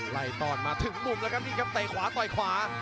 ตอนมาถึงมุมแล้วครับนี่ครับเตะขวาต่อยขวา